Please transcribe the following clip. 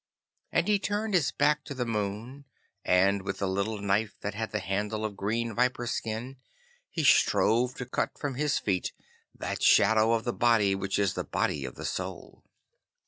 And he turned his back to the moon, and with the little knife that had the handle of green viper's skin he strove to cut from his feet that shadow of the body which is the body of the Soul.